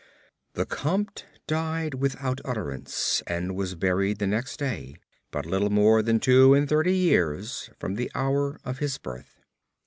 The Comte died without utterance, and was buried the next day, but little more than two and thirty years from the hour of his birth.